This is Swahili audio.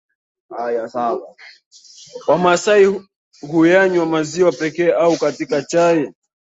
Wamasai huyanywa maziwa pekee au katika chai